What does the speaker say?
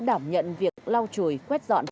đảm nhận việc lau chùi quét dọn